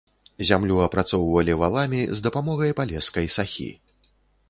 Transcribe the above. Зямлю апрацоўвалі валамі з дапамогай палескай сахі.